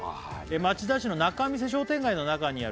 「町田市の仲見世商店街の中にある」